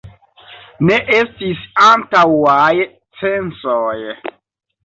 Ne estis antaŭaj censoj.